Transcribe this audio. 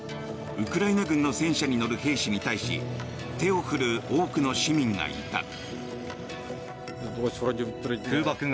ウクライナ軍の戦車に乗る兵士に対し手を振る多くの市民がいた。